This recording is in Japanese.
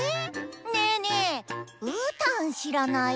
ねえねえうーたんしらない？